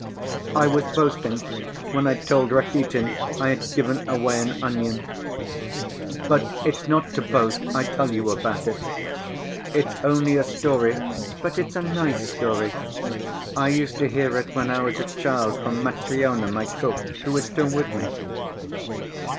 "I was boasting when I told Rakitin I had given away an onion, but it's not to boast I tell you about it. It's only a story, but it's a nice story. I used to hear it when I was a child from Matryona, my cook, who is still with me.